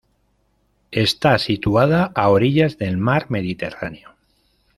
Está situada a orillas del mar Mediterráneo.